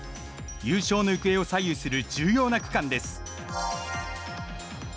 優勝の行方を左右する重要な区間です。